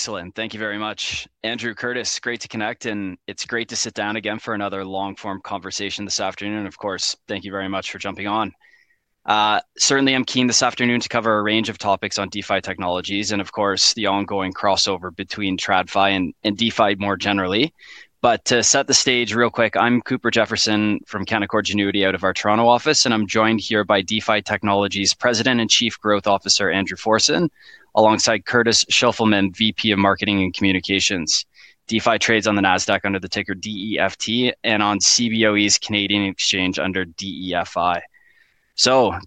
Excellent. Thank you very much. Andrew, Curtis, great to connect, and it's great to sit down again for another long-form conversation this afternoon. Of course, thank you very much for jumping on. Certainly, I'm keen this afternoon to cover a range of topics on DeFi Technologies and, of course, the ongoing crossover between TradFi and DeFi more generally. To set the stage real quick, I'm Cooper Jefferson from Canaccord Genuity out of our Toronto office, and I'm joined here by DeFi Technologies President and Chief Growth Officer, Andrew Forson, alongside Curtis Schlaufman, Vice President of Marketing and Communications. DeFi trades on the Nasdaq under the ticker DEFT, and on Cboe's Canadian exchange under DEFI.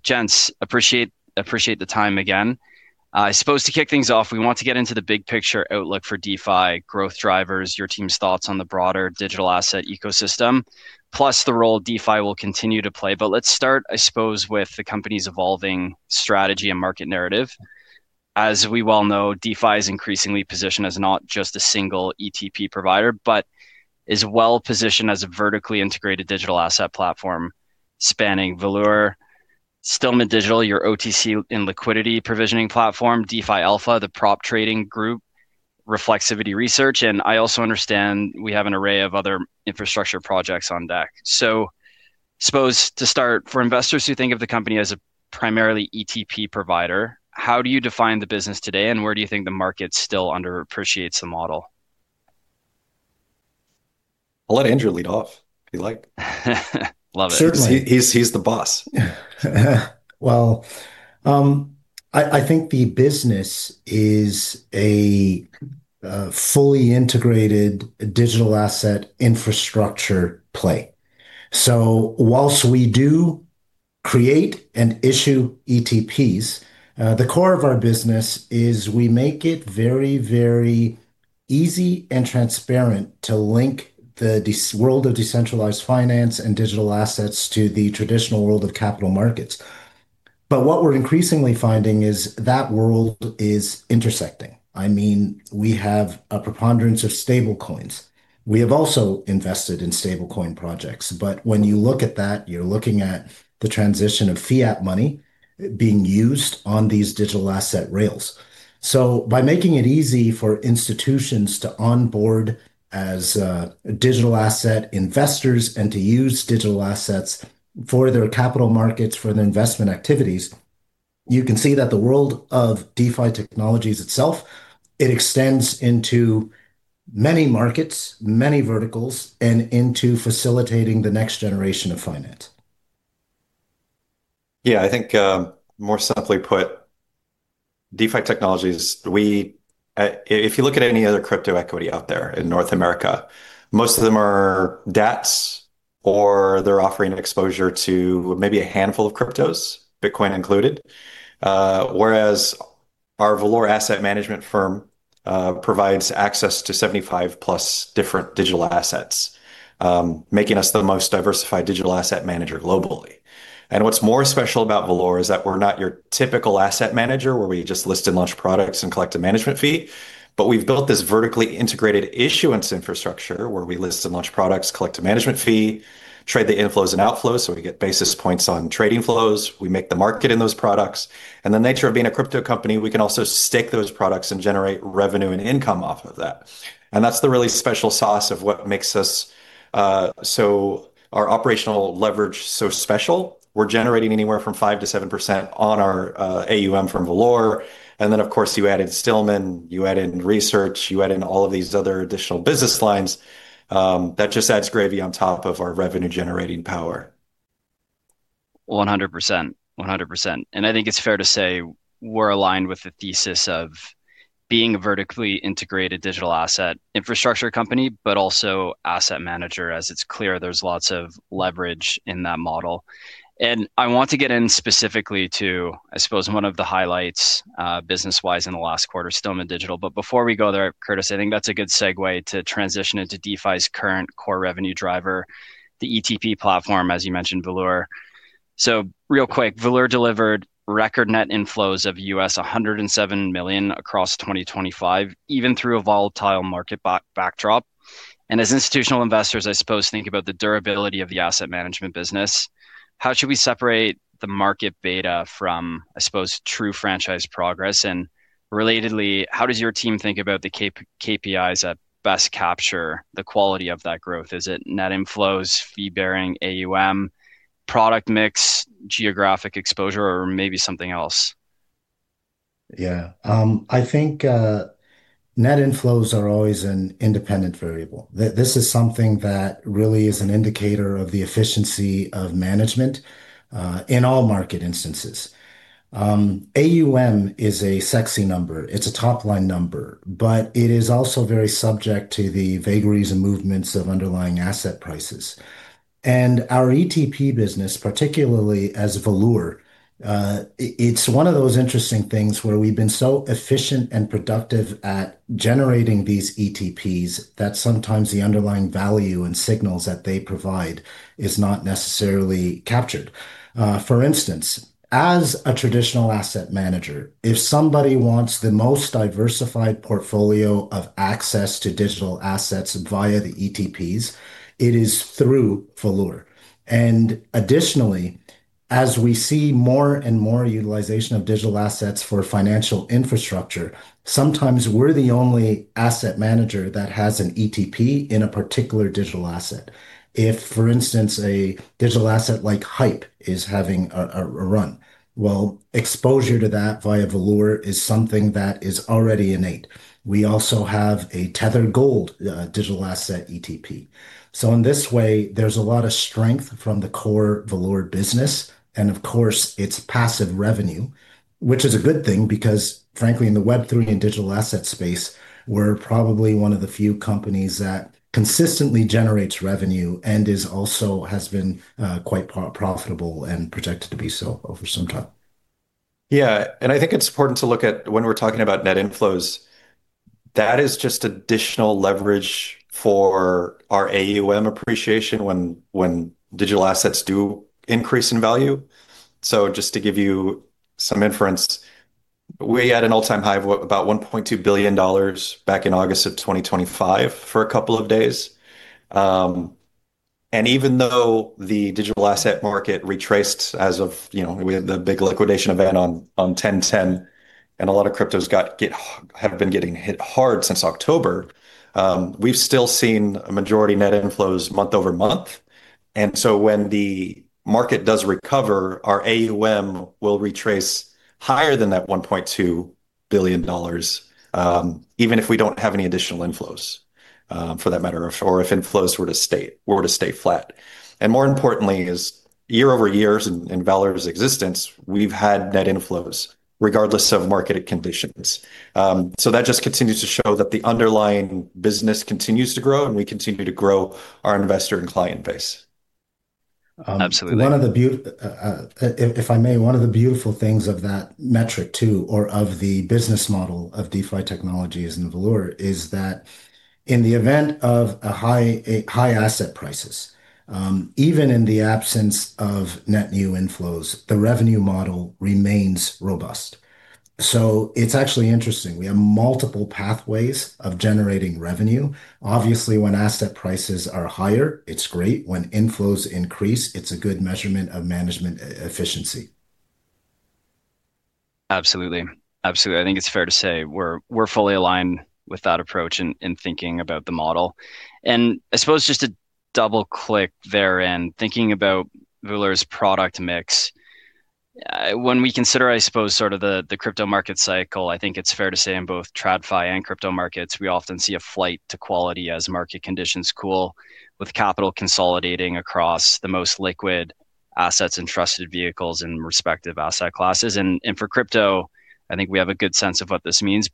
Gents, appreciate the time again. I suppose to kick things off, we want to get into the big picture outlook for DeFi, growth drivers, your team's thoughts on the broader digital asset ecosystem, plus the role DeFi will continue to play. Let's start, I suppose, with the company's evolving strategy and market narrative. As we well know, DeFi is increasingly positioned as not just a single ETP provider but is well-positioned as a vertically integrated digital asset platform spanning Valour, Stillman Digital, your OTC and liquidity provisioning platform, DeFi Alpha, the prop trading group, Reflexivity Research, and I also understand we have an array of other infrastructure projects on deck. To start, for investors who think of the company as a primarily ETP provider, how do you define the business today, and where do you think the market still underappreciates the model? I'll let Andrew lead off if you like. Love it. Since he's the boss. Well, I think the business is a fully integrated digital asset infrastructure play. While we do create and issue ETPs, the core of our business is we make it very, very easy and transparent to link the world of decentralized finance and digital assets to the traditional world of capital markets. What we're increasingly finding is that world is intersecting. I mean, we have a preponderance of stablecoins. We have also invested in stablecoin projects. When you look at that, you're looking at the transition of fiat money being used on these digital asset rails. By making it easy for institutions to onboard as digital asset investors and to use digital assets for their capital markets, for their investment activities, you can see that the world of DeFi Technologies itself, it extends into many markets, many verticals, and into facilitating the next generation of finance. Yeah. I think, more simply put, DeFi Technologies, we, if you look at any other crypto equity out there in North America, most of them are debts or they're offering exposure to maybe a handful of cryptos, Bitcoin included. Whereas our Valour Asset Management firm provides access to 75+ different digital assets, making us the most diversified digital asset manager globally. What's more special about Valour is that we're not your typical asset manager where we just list and launch products and collect a management fee, but we've built this vertically integrated issuance infrastructure where we list and launch products, collect a management fee, trade the inflows and outflows so we get basis points on trading flows. We make the market in those products. The nature of being a crypto company, we can also stake those products and generate revenue and income off of that. That's the really special sauce of what makes our operational leverage so special. We're generating anywhere from 5%-7% on our AUM from Valour, and then of course you add in Stillman, you add in research, you add in all of these other additional business lines, that just adds gravy on top of our revenue-generating power. 100%. I think it's fair to say we're aligned with the thesis of being a vertically integrated digital asset infrastructure company, but also asset manager, as it's clear there's lots of leverage in that model. I want to get in specifically to, I suppose, one of the highlights, business-wise in the last quarter, Stillman Digital. Before we go there, Curtis, I think that's a good segue to transition into DeFi's current core revenue driver, the ETP platform, as you mentioned, Valour. Real quick, Valour delivered record net inflows of $107 million across 2025, even through a volatile market backdrop. As institutional investors, I suppose, think about the durability of the asset management business, how should we separate the market beta from, I suppose, true franchise progress? Relatedly, how does your team think about the KPIs that best capture the quality of that growth? Is it net inflows, fee-bearing AUM, product mix, geographic exposure, or maybe something else? Yeah. I think net inflows are always an independent variable. This is something that really is an indicator of the efficiency of management in all market instances. AUM is a sexy number. It's a top-line number, but it is also very subject to the vagaries and movements of underlying asset prices. Our ETP business, particularly as Valour, it's one of those interesting things where we've been so efficient and productive at generating these ETPs that sometimes the underlying value and signals that they provide is not necessarily captured. For instance, as a traditional asset manager, if somebody wants the most diversified portfolio of access to digital assets via the ETPs, it is through Valour. Additionally, as we see more and more utilization of digital assets for financial infrastructure, sometimes we're the only asset manager that has an ETP in a particular digital asset. If, for instance, a digital asset like HYPE is having a run, well, exposure to that via Valour is something that is already innate. We also have a Tether Gold digital asset ETP. In this way, there's a lot of strength from the core Valour business, and of course, its passive revenue, which is a good thing because frankly, in the Web3 and digital asset space, we're probably one of the few companies that consistently generates revenue and has been quite profitable and projected to be so over some time. Yeah. I think it's important to look at when we're talking about net inflows, that is just additional leverage for our AUM appreciation when digital assets do increase in value. Just to give you some inference, we had an all-time high of about $1.2 billion back in August of 2025 for a couple of days. Even though the digital asset market retraced as of, you know, we had the big liquidation event on 10/10, and a lot of cryptos have been getting hit hard since October, we've still seen a majority net inflows month-over-month. When the market does recover, our AUM will retrace higher than that $1.2 billion, even if we don't have any additional inflows, for that matter, or if inflows were to stay flat. More importantly, year-over-year in Valour's existence, we've had net inflows regardless of market conditions. That just continues to show that the underlying business continues to grow, and we continue to grow our investor and client base. Um- Absolutely. One of the beautiful things of that metric too or of the business model of DeFi Technologies and Valour is that in the event of high asset prices, even in the absence of net new inflows, the revenue model remains robust. It's actually interesting. We have multiple pathways of generating revenue. Obviously, when asset prices are higher, it's great. When inflows increase, it's a good measurement of management efficiency. Absolutely. I think it's fair to say we're fully aligned with that approach in thinking about the model. I suppose just to double-click therein, thinking about Valour's product mix, when we consider, I suppose, sort of the crypto market cycle, I think it's fair to say in both TradFi and crypto markets, we often see a flight to quality as market conditions cool with capital consolidating across the most liquid assets and trusted vehicles in respective asset classes. For crypto, I think we have a good sense of what this means.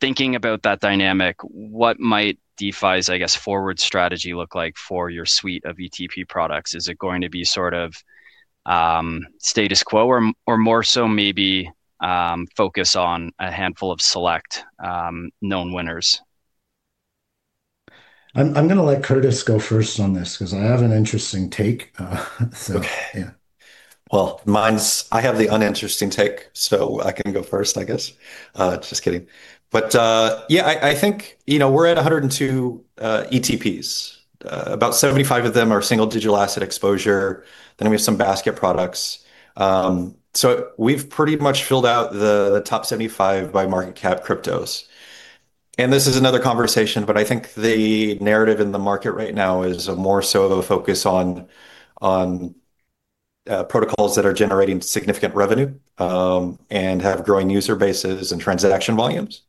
Thinking about that dynamic, what might DeFi's, I guess, forward strategy look like for your suite of ETP products? Is it going to be sort of status quo or more so maybe focus on a handful of select known winners? I'm gonna let Curtis go first on this because I have an interesting take. Yeah. Well, I have the uninteresting take, so I can go first, I guess. Just kidding. Yeah, I think, you know, we're at 102 ETPs. About 75 of them are single digital asset exposure, then we have some basket products. We've pretty much filled out the top 75 by market cap cryptos. This is another conversation, but I think the narrative in the market right now is more so the focus on protocols that are generating significant revenue, and have growing user bases and transaction volumes.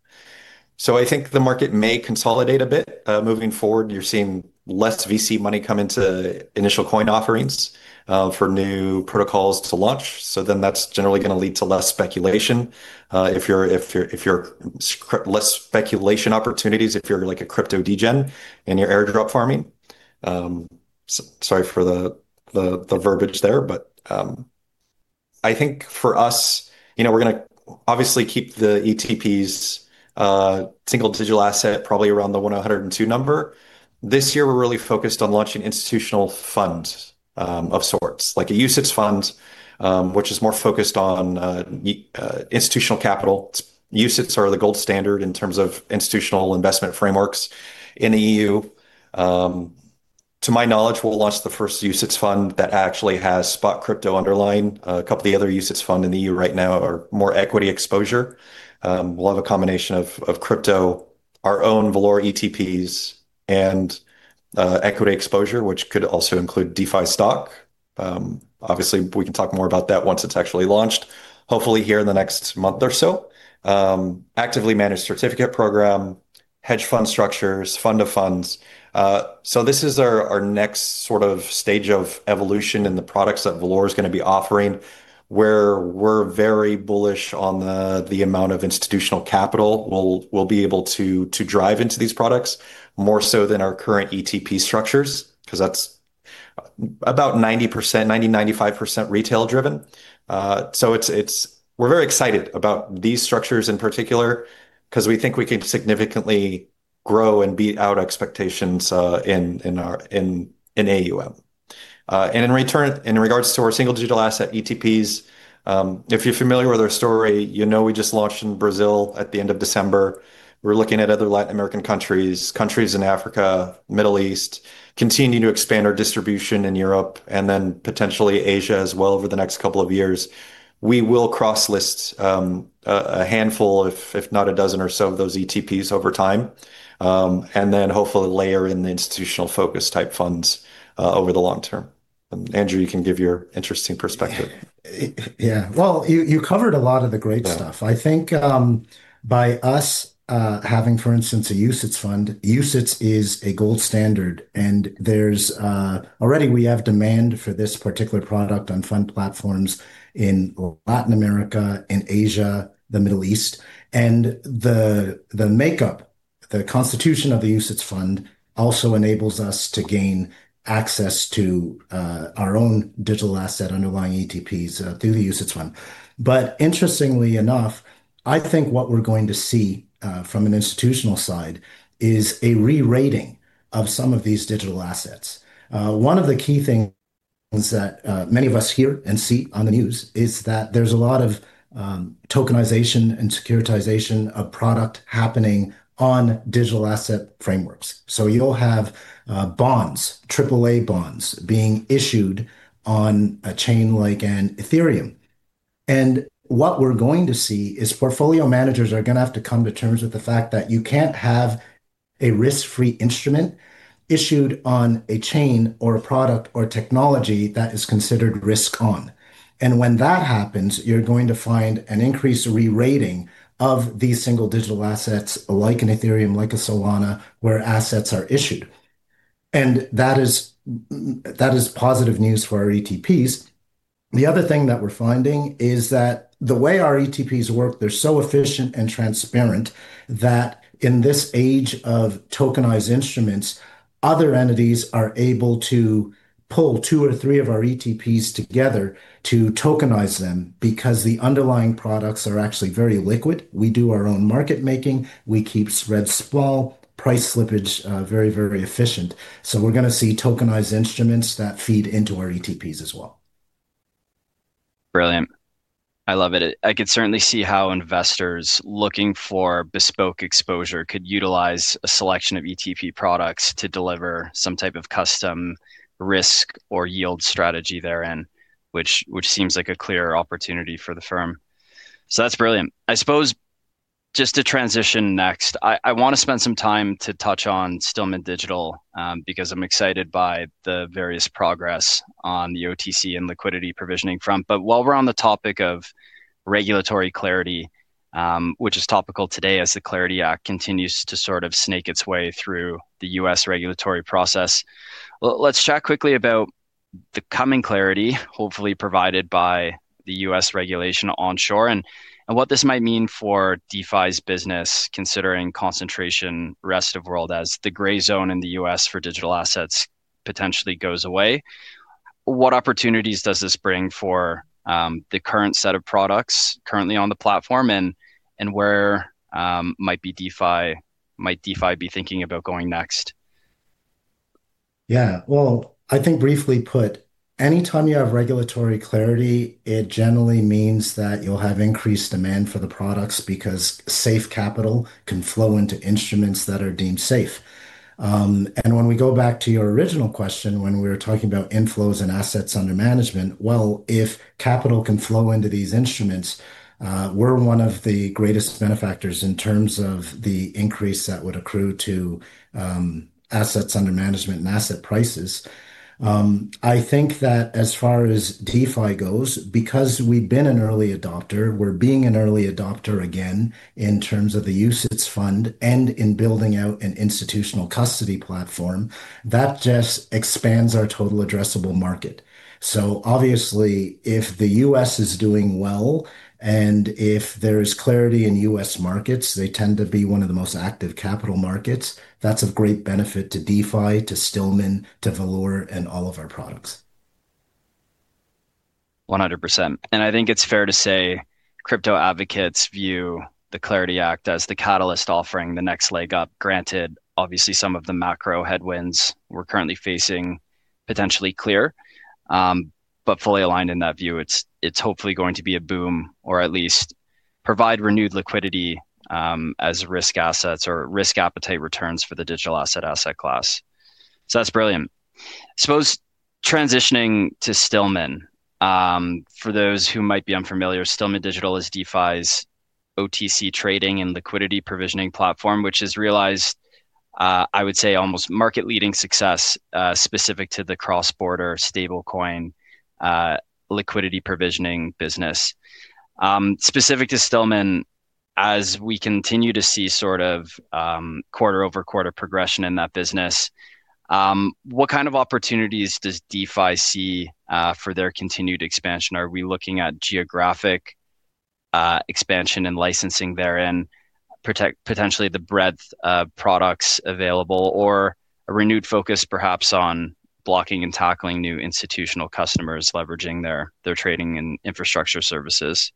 I think the market may consolidate a bit, moving forward. You're seeing less VC money come into initial coin offerings for new protocols to launch. That's generally gonna lead to less speculation. If you're seeking less speculation opportunities, if you're like a crypto degen and you're airdrop farming. Sorry for the verbiage there, but I think for us, you know, we're gonna obviously keep the ETPs, single digital asset probably around the 102 number. This year, we're really focused on launching institutional funds of sorts, like a UCITS fund, which is more focused on institutional capital. UCITS are the gold standard in terms of institutional investment frameworks in the EU. To my knowledge, we'll launch the first UCITS fund that actually has spot crypto underlying. A couple of the other UCITS fund in the EU right now are more equity exposure. We'll have a combination of crypto, our own Valour ETPs, and equity exposure, which could also include DeFi stock. Obviously, we can talk more about that once it's actually launched, hopefully here in the next month or so. Actively managed certificate program, hedge fund structures, fund of funds. This is our next sort of stage of evolution in the products that Valour is gonna be offering, where we're very bullish on the amount of institutional capital we'll be able to drive into these products more so than our current ETP structures, 'cause that's about 90%-95% retail-driven. It's we're very excited about these structures in particular 'cause we think we can significantly Grow and beat out expectations in our AUM. In return, in regards to our single digital asset ETPs, if you're familiar with our story, you know we just launched in Brazil at the end of December. We're looking at other Latin American countries in Africa, Middle East, continuing to expand our distribution in Europe and then potentially Asia as well over the next couple of years. We will cross-list a handful if not a dozen or so of those ETPs over time, and then hopefully layer in the institutional focus type funds over the long term. Andrew, you can give your interesting perspective. Yeah. Well, you covered a lot of the great stuff. Yeah. I think by us having, for instance, a UCITS fund, UCITS is a gold standard. We already have demand for this particular product on fund platforms in Latin America and Asia, the Middle East. The makeup, the constitution of the UCITS fund also enables us to gain access to our own digital asset underlying ETPs through the UCITS fund. Interestingly enough, I think what we're going to see from an institutional side is a re-rating of some of these digital assets. One of the key things that many of us hear and see on the news is that there's a lot of tokenization and securitization of product happening on digital asset frameworks. You'll have bonds, triple-A bonds being issued on a chain like an Ethereum. What we're going to see is portfolio managers are gonna have to come to terms with the fact that you can't have a risk-free instrument issued on a chain or a product or technology that is considered risk on. When that happens, you're going to find an increased re-rating of these single digital assets like an Ethereum, like a Solana, where assets are issued. That is positive news for our ETPs. The other thing that we're finding is that the way our ETPs work, they're so efficient and transparent that in this age of tokenized instruments, other entities are able to pull two or three of our ETPs together to tokenize them because the underlying products are actually very liquid. We do our own market making. We keep spreads small, price slippage, very, very efficient. We're gonna see tokenized instruments that feed into our ETPs as well. Brilliant. I love it. I could certainly see how investors looking for bespoke exposure could utilize a selection of ETP products to deliver some type of custom risk or yield strategy therein, which seems like a clear opportunity for the firm. That's brilliant. I suppose just to transition next, I wanna spend some time to touch on Stillman Digital, because I'm excited by the various progress on the OTC and liquidity provisioning front. While we're on the topic of regulatory clarity, which is topical today as the Clarity Act continues to sort of snake its way through the U.S. regulatory process, let's chat quickly about the coming clarity, hopefully provided by the U.S. regulation onshore and what this might mean for DeFi's business considering concentration rest of world as the gray zone in the U.S. for digital assets potentially goes away. What opportunities does this bring for the current set of products currently on the platform and where might DeFi be thinking about going next? Yeah. Well, I think briefly put, anytime you have regulatory clarity, it generally means that you'll have increased demand for the products because safe capital can flow into instruments that are deemed safe. When we go back to your original question, when we were talking about inflows and assets under management, well, if capital can flow into these instruments, we're one of the greatest benefactors in terms of the increase that would accrue to assets under management and asset prices. I think that as far as DeFi goes, because we've been an early adopter, we're being an early adopter again in terms of the UCITS fund and in building out an institutional custody platform, that just expands our total addressable market. Obviously, if the U.S. is doing well and if there is clarity in U.S. markets, they tend to be one of the most active capital markets, that's of great benefit to DeFi, to Stillman Digital, to Valour and all of our products. 100%. I think it's fair to say crypto advocates view the Clarity Act as the catalyst offering the next leg up, granted obviously some of the macro headwinds we're currently facing potentially clear. Fully aligned in that view, it's hopefully going to be a boom or at least provide renewed liquidity, as risk assets or risk appetite returns for the digital asset class. That's brilliant. Transitioning to Stillman Digital, for those who might be unfamiliar, Stillman Digital is DeFi's OTC trading and liquidity provisioning platform, which has realized I would say almost market-leading success specific to the cross-border stablecoin liquidity provisioning business. Specific to Stillman Digital, as we continue to see sort of quarter-over-quarter progression in that business, what kind of opportunities does DeFi see for their continued expansion? Are we looking at geographic expansion and licensing therein, potentially the breadth of products available, or a renewed focus perhaps on blocking and tackling new institutional customers leveraging their trading and infrastructure services?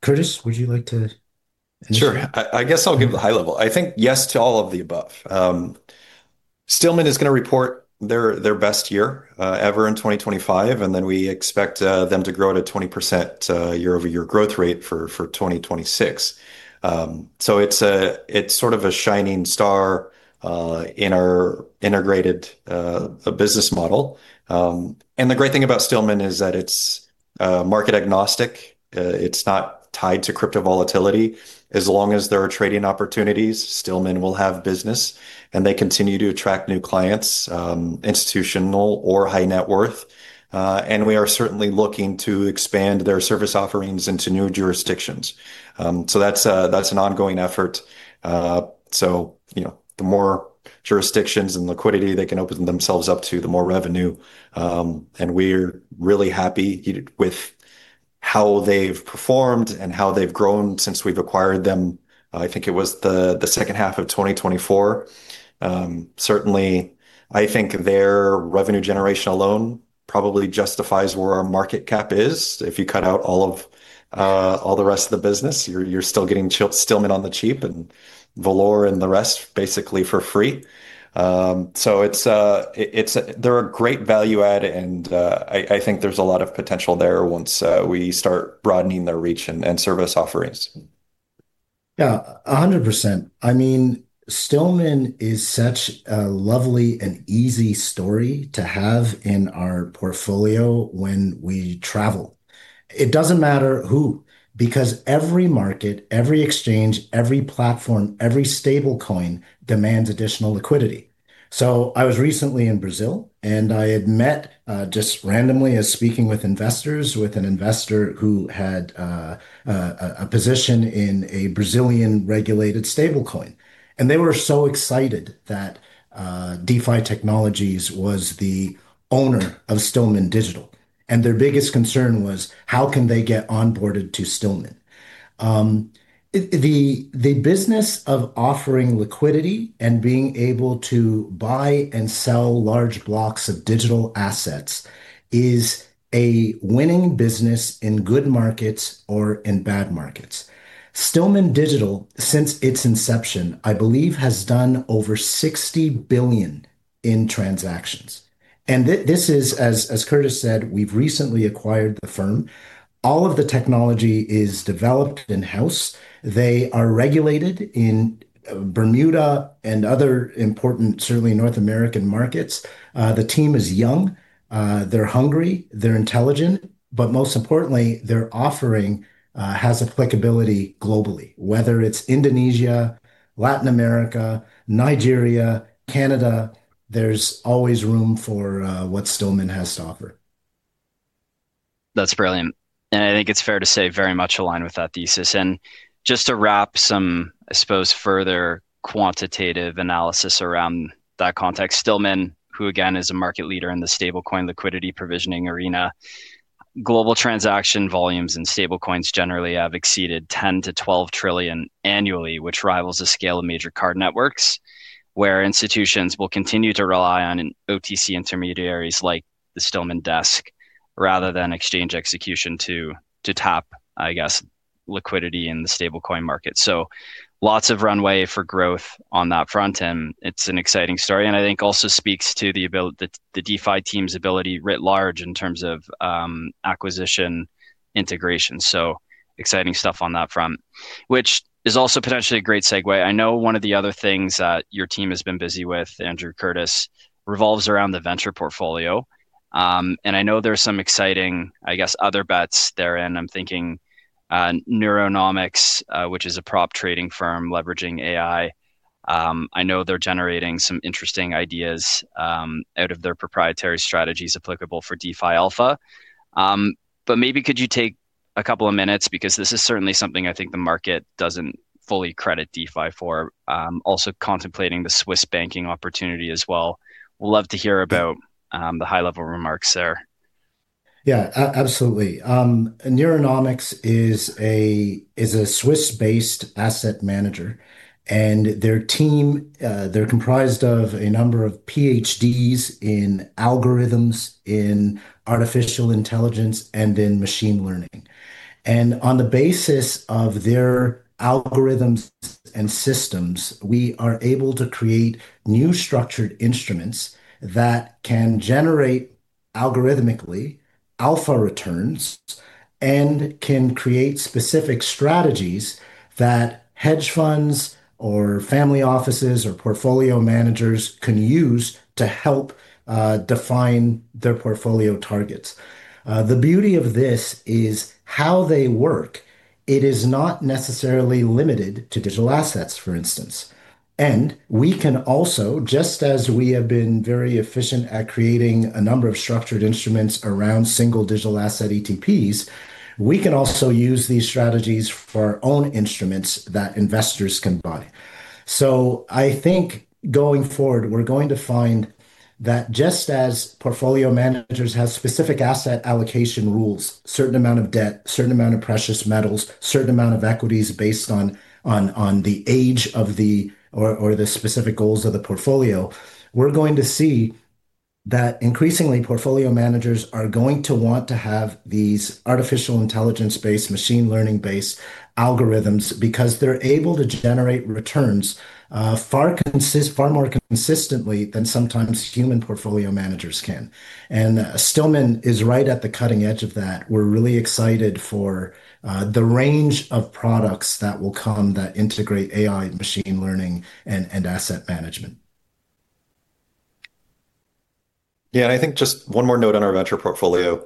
Curtis, would you like to answer that? Sure. I guess I'll give the high level. I think yes to all of the above. Stillman is gonna report their best year ever in 2025, and then we expect them to grow at a 20% year-over-year growth rate for 2026. It's sort of a shining star in our integrated business model. The great thing about Stillman is that it's market agnostic. It's not tied to crypto volatility. As long as there are trading opportunities, Stillman will have business, and they continue to attract new clients, institutional or high net worth. We are certainly looking to expand their service offerings into new jurisdictions. That's an ongoing effort. You know, the more jurisdictions and liquidity they can open themselves up to, the more revenue, and we're really happy with how they've performed and how they've grown since we've acquired them. I think it was the second half of 2024. Certainly, I think their revenue generation alone probably justifies where our market cap is. If you cut out all of all the rest of the business, you're still getting Stillman on the cheap and Valour and the rest basically for free. They're a great value add and, I think there's a lot of potential there once we start broadening their reach and service offerings. Yeah, 100%. I mean, Stillman is such a lovely and easy story to have in our portfolio when we travel. It doesn't matter who, because every market, every exchange, every platform, every stablecoin demands additional liquidity. I was recently in Brazil, and I had met just randomly speaking with investors, with an investor who had a position in a Brazilian regulated stablecoin. They were so excited that DeFi Technologies was the owner of Stillman Digital. Their biggest concern was how can they get onboarded to Stillman. The business of offering liquidity and being able to buy and sell large blocks of digital assets is a winning business in good markets or in bad markets. Stillman Digital, since its inception, I believe, has done over $60 billion in transactions. This is, as Curtis said, we've recently acquired the firm. All of the technology is developed in-house. They are regulated in Bermuda and other important, certainly North American markets. The team is young, they're hungry, they're intelligent, but most importantly, their offering has applicability globally. Whether it's Indonesia, Latin America, Nigeria, Canada, there's always room for what Stillman Digital has to offer. That's brilliant. I think it's fair to say very much aligned with that thesis. Just to wrap some, I suppose, further quantitative analysis around that context, Stillman, who again is a market leader in the stablecoin liquidity provisioning arena, global transaction volumes and stablecoins generally have exceeded 10-12 trillion annually, which rivals the scale of major card networks, where institutions will continue to rely on OTC intermediaries like the Stillman desk rather than exchange execution to tap, I guess, liquidity in the stablecoin market. Lots of runway for growth on that front, and it's an exciting story, and I think also speaks to the DeFi team's ability writ large in terms of acquisition integration. Exciting stuff on that front, which is also potentially a great segue. I know one of the other things that your team has been busy with, Andrew, Curtis, revolves around the venture portfolio. I know there are some exciting, I guess, other bets therein. I'm thinking, Neuronomics, which is a prop trading firm leveraging AI. I know they're generating some interesting ideas out of their proprietary strategies applicable for DeFi Alpha. But maybe could you take a couple of minutes because this is certainly something I think the market doesn't fully credit DeFi for, also contemplating the Swiss banking opportunity as well. Would love to hear about the high-level remarks there. Yeah, absolutely. Neuronomics is a Swiss-based asset manager, and their team, they're comprised of a number of PhDs in algorithms, in artificial intelligence, and in machine learning. On the basis of their algorithms and systems, we are able to create new structured instruments that can generate algorithmically alpha returns and can create specific strategies that hedge funds or family offices or portfolio managers can use to help define their portfolio targets. The beauty of this is how they work. It is not necessarily limited to digital assets, for instance. We can also, just as we have been very efficient at creating a number of structured instruments around single digital asset ETPs, use these strategies for our own instruments that investors can buy. I think going forward, we're going to find that just as portfolio managers have specific asset allocation rules, certain amount of debt, certain amount of precious metals, certain amount of equities based on the specific goals of the portfolio, we're going to see that increasingly portfolio managers are going to want to have these artificial intelligence-based, machine learning-based algorithms because they're able to generate returns far more consistently than sometimes human portfolio managers can. Stillman Digital is right at the cutting edge of that. We're really excited for the range of products that will come that integrate AI and machine learning and asset management. Yeah, I think just one more note on our venture portfolio.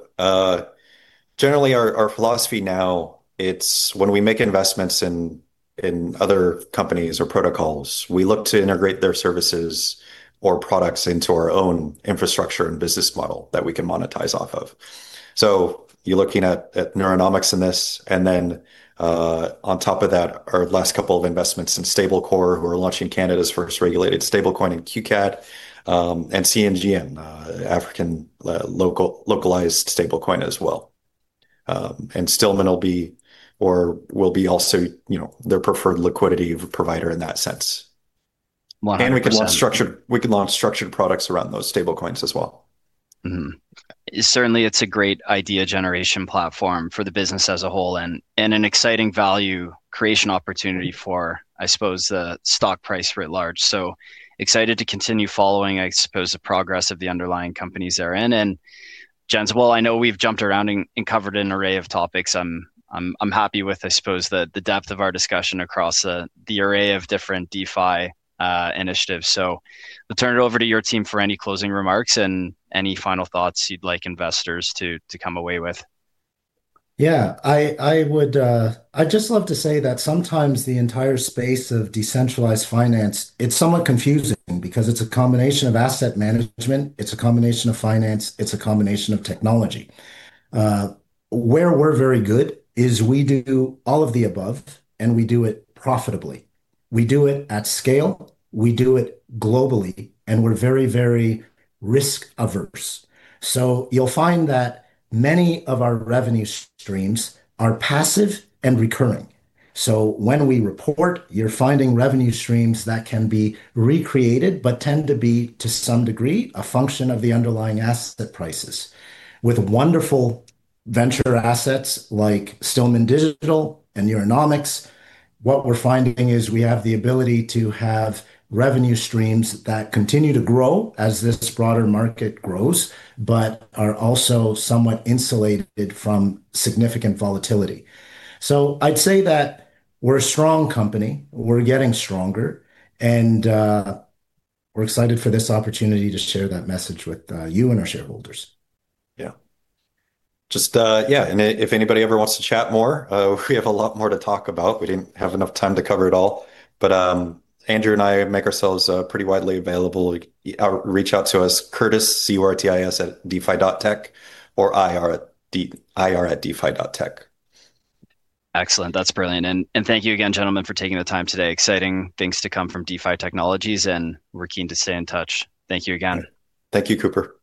Generally our philosophy now, it's when we make investments in other companies or protocols, we look to integrate their services or products into our own infrastructure and business model that we can monetize off of. You're looking at Neuronomics in this, and then on top of that, our last couple of investments in Stablecorp, who are launching Canada's first regulated stablecoin in QCAD, and cNGN, African localized stablecoin as well. Stillman Digital will be also, you know, their preferred liquidity provider in that sense. 100%. We can launch structured products around those stablecoins as well. Certainly it's a great idea generation platform for the business as a whole and an exciting value creation opportunity for, I suppose, the stock price for it large. Excited to continue following, I suppose, the progress of the underlying companies they're in. Gents, while I know we've jumped around and covered an array of topics, I'm happy with, I suppose, the depth of our discussion across the array of different DeFi initiatives. We'll turn it over to your team for any closing remarks and any final thoughts you'd like investors to come away with. Yeah. I'd just love to say that sometimes the entire space of decentralized finance, it's somewhat confusing because it's a combination of asset management, it's a combination of finance, it's a combination of technology. Where we're very good is we do all of the above, and we do it profitably. We do it at scale, we do it globally, and we're very, very risk averse. You'll find that many of our revenue streams are passive and recurring. When we report, you're finding revenue streams that can be recreated, but tend to be, to some degree, a function of the underlying asset prices. With wonderful venture assets like Stillman Digital and Neuronomics, what we're finding is we have the ability to have revenue streams that continue to grow as this broader market grows, but are also somewhat insulated from significant volatility. I'd say that we're a strong company, we're getting stronger, and we're excited for this opportunity to share that message with you and our shareholders. If anybody ever wants to chat more, we have a lot more to talk about. We didn't have enough time to cover it all. Andrew and I make ourselves pretty widely available. Reach out to us, Curtis, curtis@defi.tech, or IR@defi.tech. Excellent. That's brilliant. Thank you again, gentlemen, for taking the time today. Exciting things to come from DeFi Technologies, and we're keen to stay in touch. Thank you again. Thank you, Cooper. Thanks, Cooper.